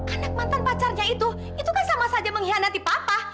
anak mantan pacarnya itu itu kan sama saja mengkhianati papa